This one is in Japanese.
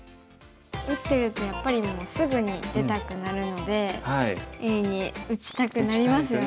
打ってるとやっぱりもうすぐに出たくなるのでＡに打ちたくなりますよね。